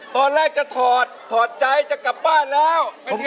ตอนแรกจะถอดถอดใจจะกลับบ้านแล้ว